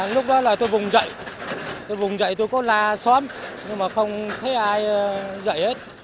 lúc đó là tôi vùng dậy tôi vùng dậy tôi có la xóm nhưng mà không thấy ai dạy hết